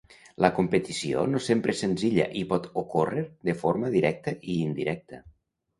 La competició no sempre és senzilla i pot ocórrer de forma directa i indirecta.